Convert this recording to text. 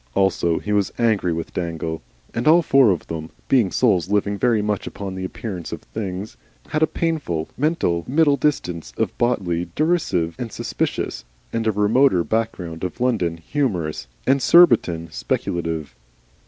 Also he was angry with Dangle. And all four of them, being souls living very much upon the appearances of things, had a painful, mental middle distance of Botley derisive and suspicious, and a remoter background of London humorous, and Surbiton speculative.